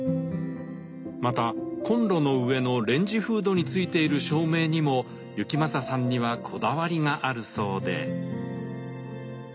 またコンロの上のレンジフードについている照明にも行正さんにはこだわりがあるそうで。